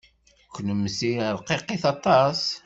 Kennemti rqiqit aṭas.